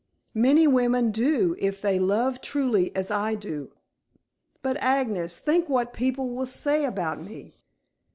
"Many women do, if they love truly as I do." "But, Agnes, think what people will say about me."